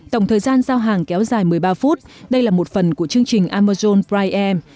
tổng thời gian giao hàng kéo dài một mươi ba phút đây là một phần của chương trình amazon pride